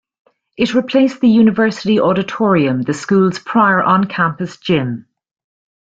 It replaced the University Auditorium, the school's prior on-campus gym.